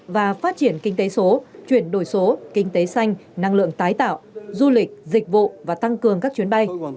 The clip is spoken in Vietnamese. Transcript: và phát triển kinh tế số chuyển đổi số kinh tế xanh năng lượng tái tạo du lịch dịch vụ và tăng cường các chuyến bay